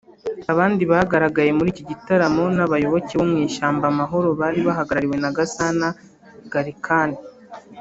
Abandi bagaragaye muri iki gitaramo n’abayoboke bo mu Ishyaka Amahoro bari bahagarariwe na Gasana Gallican